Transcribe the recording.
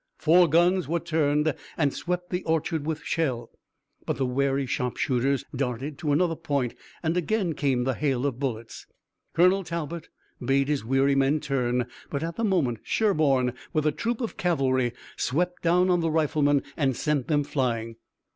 Four guns were turned and swept the orchard with shell, but the wary sharpshooters darted to another point, and again came the hail of bullets. Colonel Talbot bade his weary men turn, but at the moment, Sherburne, with a troop of cavalry, swept down on the riflemen and sent them flying.